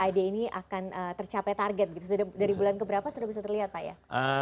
jadi sudah pad ini akan tercapai target gitu dari bulan ke berapa sudah bisa terlihat pak ya